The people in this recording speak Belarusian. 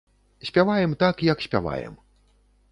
Спяваем так, як спяваем.